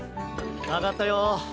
上がったよ。